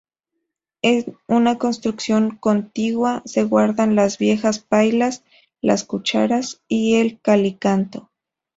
En una construcción contigua se guardan las viejas pailas, las cucharas y el calicanto.